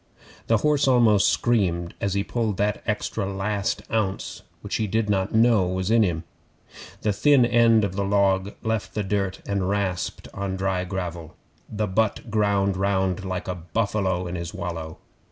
The horse almost screamed as he pulled that extra last ounce which he did not know was in him. The thin end of the log left the dirt and rasped on dry gravel. The butt ground round like a buffalo in his wallow.